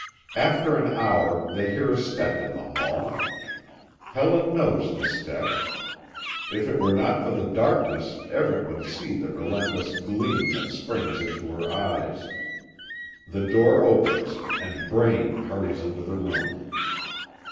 After an hour they hear a step in the hall. Helen knows the step. If it were not for the darkness Everet would see the relentless gleam that springs into her eyes. The door opens and Braine hurries into the room.